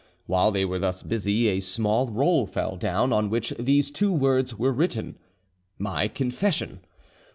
While they were thus busy, a small roll fell down, on which these two words were written: "My Confession."